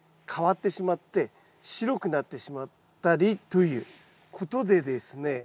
変わってしまって白くなってしまったりということでですね